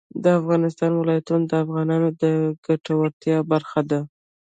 د افغانستان ولايتونه د افغانانو د ګټورتیا برخه ده.